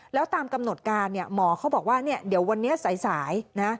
แล้วตามกำหนดการเนี่ยหมอเขาบอกว่าเนี่ยเดี๋ยววันนี้สายนะ